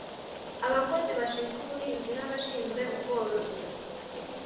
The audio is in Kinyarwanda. abakozi bashinzwe ubuhinzi n’abashinzwe ubworozi,